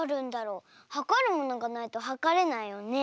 はかるものがないとはかれないよね。